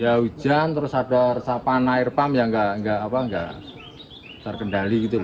ya hujan terus ada resapan air pump yang nggak terkendali gitu